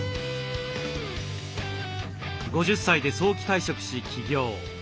５０歳で早期退職し起業。